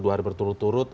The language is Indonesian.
dua hari berturut turut